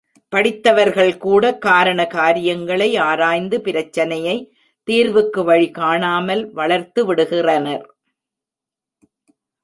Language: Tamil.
படித்தவர்கள் கூட காரண காரியங்களை ஆராய்ந்து பிரச்சனையை, தீர்வுக்கு வழி காணாமல் வளர்த்துவிடுகிறனர்.